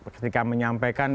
ketika menyampaikan bagiannya